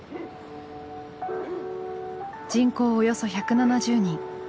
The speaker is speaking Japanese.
人口およそ１７０人。